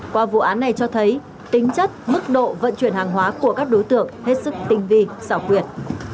qua vụ án này cho thấy tính chất mức độ vận chuyển hàng hóa của các đối tượng hết sức tinh vi xảo quyệt